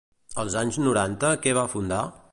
Als anys noranta, què va fundar?